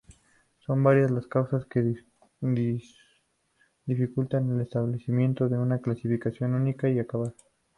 Son varias las causas que dificultan el establecimiento de una clasificación única y acabada.